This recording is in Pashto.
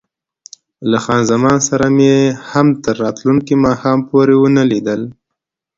له خان زمان سره مې هم تر راتلونکي ماښام پورې ونه لیدل.